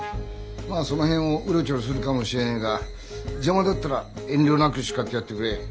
まあその辺をうろちょろするかもしれねえが邪魔だったら遠慮なく叱ってやってくれ。